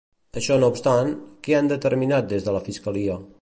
Això no obstant, què han determinat des de la Fiscalia?